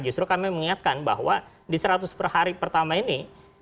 tapi saya ingin mengingatkan bahwa di seratus per hari pertama ini